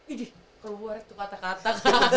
ini keluar itu kata kata